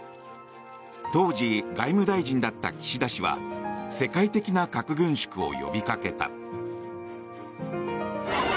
当時、外務大臣だった岸田氏は世界的な核軍縮を呼びかけた。